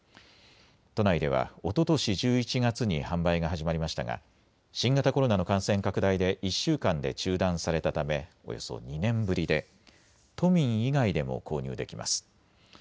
都内ではおととし１１月に販売が始まりましたが新型コロナの感染拡大で１週間で中断されたためおよそ２年ぶりで都民以外でも購入できます。